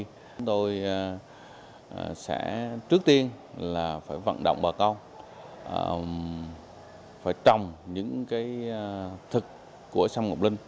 chúng tôi sẽ trước tiên là phải vận động bà con phải trồng những thực của sâm ngọc linh